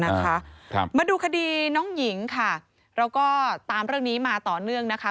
นะคะครับมาดูคดีน้องหญิงค่ะเราก็ตามเรื่องนี้มาต่อเนื่องนะคะ